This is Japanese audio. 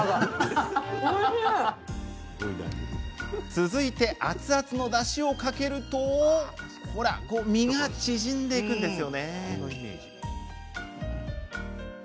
続いて、熱々のだしをかけるとほら、身が縮むんですよ。